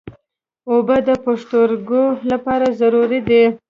اوبه د پښتورګو لپاره ضروري دي.